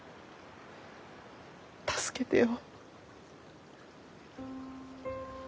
助けてよ。